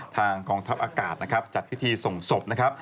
ทางกองทัพอากาศนะครับจัดพิธีส่งศพนะครับ